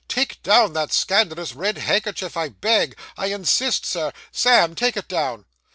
'Take down that scandalous red handkerchief, I beg. I insist, Sir. Sam, take it down.